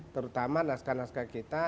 terutama naskah naskah kita